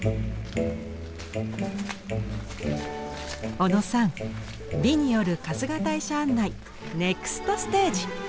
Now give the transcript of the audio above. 小野さん美による春日大社案内ネクストステージ！